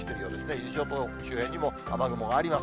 伊豆諸島周辺にも雨雲あります。